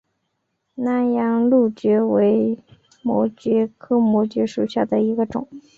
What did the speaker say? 南洋蕗蕨为膜蕨科膜蕨属下的一个种。